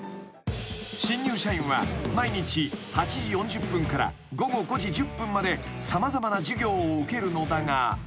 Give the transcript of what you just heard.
［新入社員は毎日８時４０分から午後５時１０分まで様々な授業を受けるのだが］